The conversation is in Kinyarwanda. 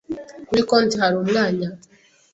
Kuri konti hari umwanya?